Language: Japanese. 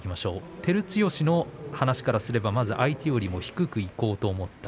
照強の話からすれば馬力よりも低くいこうと思った